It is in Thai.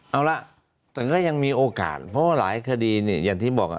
เอาล่ะแต่ก็ยังมีโอกาสเพราะว่าหลายคดีเนี่ยอย่างที่บอก